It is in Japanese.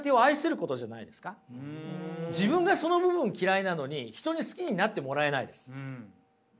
自分がその部分嫌いなのに人に好きになってもらえないです。